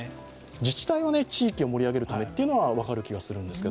自治体は地域を盛り上げるためというのは分かる気がするんですが。